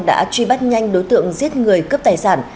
đã truy bắt nhanh đối tượng giết người cướp tài sản